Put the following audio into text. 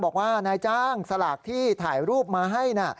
บอกว่านายจ้างสลากที่ถ่ายรูปมาให้นะ